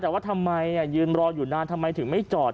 แต่ว่าทำไมยืนรออยู่นานทำไมถึงไม่จอด